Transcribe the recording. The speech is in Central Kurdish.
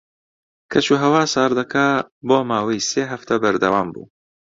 کەشوهەوا ساردەکە بۆ ماوەی سێ هەفتە بەردەوام بوو.